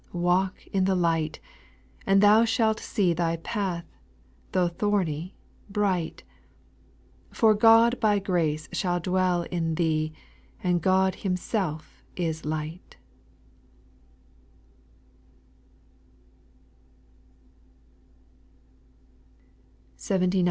5. Walk in the light I and thou shalt see Thy path, tho' thorny, bright, For God by grace shall dwell in thee And God Himself is light.